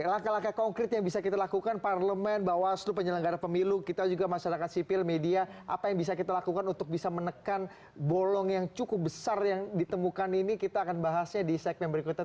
langkah langkah konkret yang bisa kita lakukan parlemen bawaslu penyelenggara pemilu kita juga masyarakat sipil media apa yang bisa kita lakukan untuk bisa menekan bolong yang cukup besar yang ditemukan ini kita akan bahasnya di segmen berikutnya